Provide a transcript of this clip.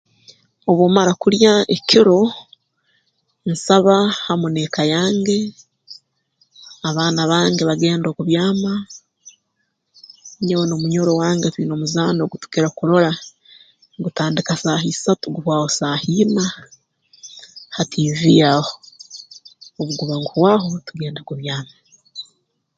Obu mmara kulya ekiro nsaba hamu n'eka yange abaana bange bagenda okubyama nyowe n'omunyoro wange twine omuzaano ogu tukira kurora gutandika saaha isatu guhwaho saaha ina ha tiivi aho obu guba nguhwaho tugenda kubyama